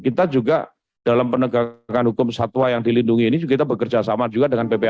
kita juga dalam penegakan hukum satwa yang dilindungi ini kita bekerja sama juga dengan ppatk